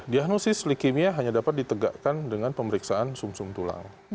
diagnosis leukemia hanya dapat ditegakkan dengan pemeriksaan sum sum tulang